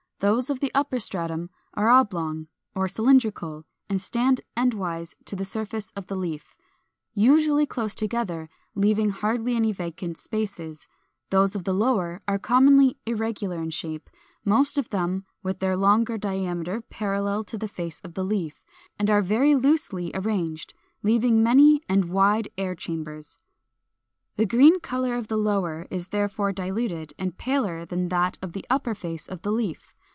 Those of the upper stratum are oblong or cylindrical, and stand endwise to the surface of the leaf, usually close together, leaving hardly any vacant spaces; those of the lower are commonly irregular in shape, most of them with their longer diameter parallel to the face of the leaf, and are very loosely arranged, leaving many and wide air chambers. The green color of the lower is therefore diluted, and paler than that of the upper face of the leaf.